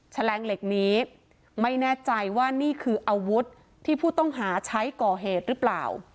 แลงเหล็กนี้ไม่แน่ใจว่านี่คืออาวุธที่ผู้ต้องหาใช้ก่อเหตุหรือเปล่า